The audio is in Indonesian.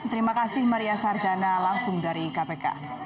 terima kasih maria sarjana langsung dari kpk